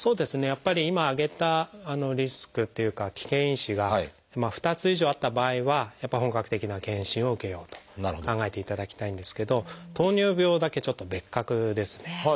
やっぱり今挙げたリスクというか危険因子が２つ以上あった場合は本格的な検診を受けようと考えていただきたいんですけど糖尿病だけちょっと別格ですね。